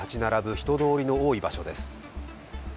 人通りの多い場所です。